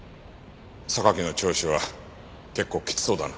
榊の聴取は結構きつそうだな。